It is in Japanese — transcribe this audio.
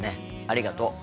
ありがとう。